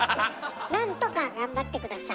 何とか頑張って下さい。